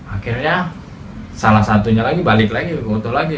akhirnya salah satunya lagi balik lagi berfoto lagi